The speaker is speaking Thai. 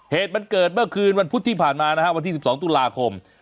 เหตุมันเกิดเมื่อคืนวันพุธที่ผ่านมานะฮะวันที่๑๒ตุลาคม